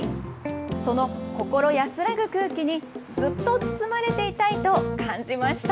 その心安らぐ空気に、ずっと包まれていたいと感じました。